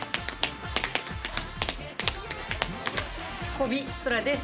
小尾颯です。